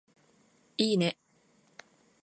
いーね